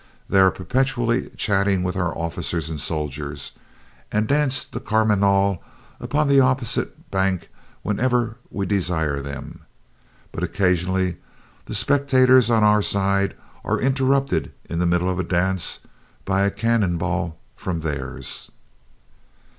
They are perpetually chattering with our officers and soldiers, and dance the carmagnol upon the opposite bank whenever we desire them. But occasionally the spectators on our side are interrupted in the middle of a dance by a cannon ball, from theirs."